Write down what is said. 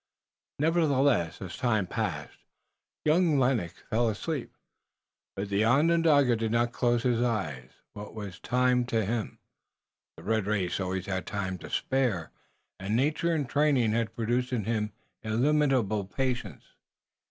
Nevertheless, as time passed, young Lennox fell asleep, but the Onondaga did not close his eyes. What was time to him? The red race always had time to spare, and nature and training had produced in him illimitable patience.